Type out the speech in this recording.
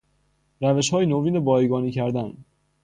روشهای نوین بایگانی کردن